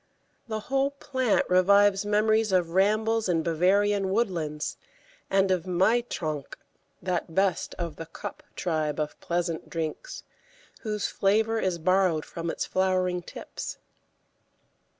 The whole plant revives memories of rambles in Bavarian woodlands, and of Mai trank, that best of the "cup" tribe of pleasant drinks, whose flavour is borrowed from its flowering tips.